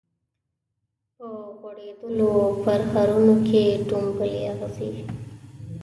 په غوړیدولو پرهرونو کي ټومبلي اغزي